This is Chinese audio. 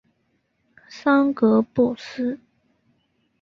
桑格布斯。